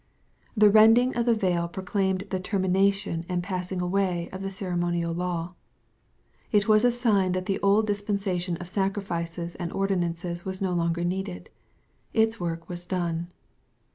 The rending of the veil proclaimed the termination , and passing away of the ceremonial law. It was a sign that the old dispensation of sacrifices and ordinances was no longer needed. Its work was done.